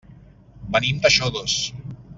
Venim de Xodos.